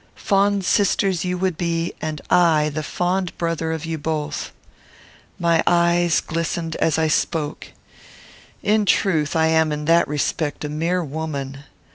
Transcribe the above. Fond sisters you would be, and I the fond brother of you both." My eyes glistened as I spoke. In truth, I am in that respect a mere woman.